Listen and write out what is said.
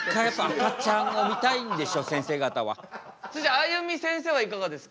あゆみせんせいはいかがですか？